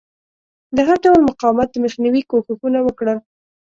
د هر ډول مقاومت د مخنیوي کوښښونه وکړل.